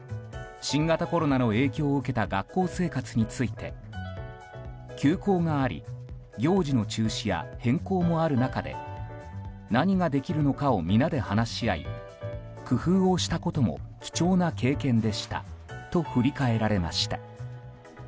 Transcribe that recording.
新型コロナの影響を受けた学校生活について休校があり行事の中止や変更もある中で何ができるのかを皆で話し合い工夫をしたことも貴重な経験でしたと振り返られました。